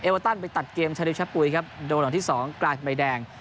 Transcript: เอเวิร์ตัรไปตัดเกมชาดิบชะปุ๋ยครับโดนออกที่๒การ์ดใบแดง